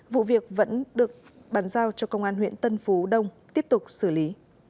vụ việc vẫn được bàn giao cho công an huyện tân phú đông tiếp tục xử lý